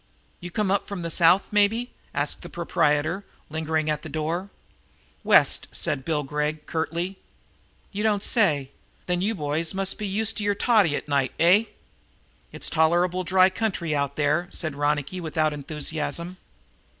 "You come up from the South, maybe?" asked the proprietor, lingering at the door. "West," said Bill Gregg curtly. "You don't say! Then you boys must be used to your toddy at night, eh?" "It's a tolerable dry country out there," said Ronicky without enthusiasm.